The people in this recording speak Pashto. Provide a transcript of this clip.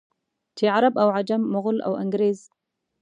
چې عرب او عجم، مغل او انګرېز.